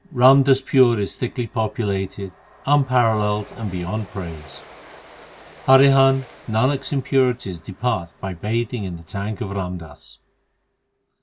Ramdaspur is thickly populated, unparalleled, and beyond praise. Harihan, Nanak s impurities depart by bathing in the tank of Ram Das.